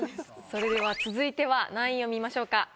それでは続いては何位を見ましょうか？